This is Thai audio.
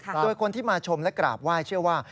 โดยคนที่มาชมและกราบไหว้เชื่อว่า